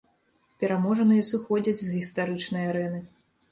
Пераможаныя сыходзяць з гістарычнай арэны.